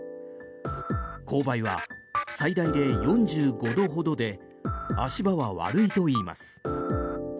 勾配は最大で４５度ほどで足場は悪いと言います。